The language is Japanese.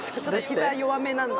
◆ひざ弱めなんで。